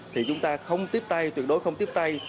thì chúng ta không tiếp tay tuyệt đối không tiếp tay